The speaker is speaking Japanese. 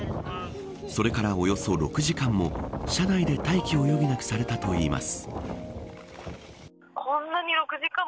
それから、およそ６時間も車内で待機を余儀なくされたといいます。